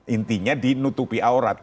intinya dinutupi aurat